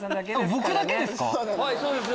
僕だけですか？